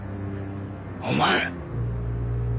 お前。